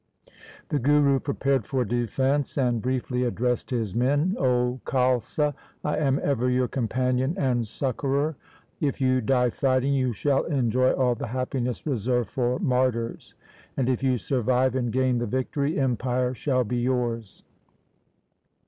The Guru prepared for defence and briefly addressed his men :' O Khalsa, I am ever your companion and succourer. If you die fighting, you shall enjoy all the happiness reserved for martyrs, and if you survive and gain the victory, empire shall be yours.'